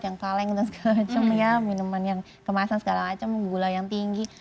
yang kaleng dan segala macam ya minuman yang kemasan segala macam gula yang tinggi